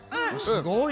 すごい。